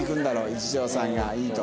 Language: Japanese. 一条さんがいいと。